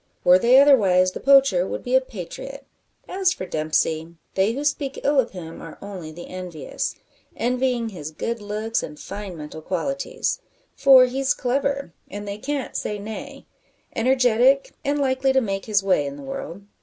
Were they otherwise, the poacher would be a patriot. As for Dempsey, they who speak ill of him are only the envious envying his good looks, and fine mental qualities. For he's clever, and they can't say nay energetic, and likely to make his way in the world.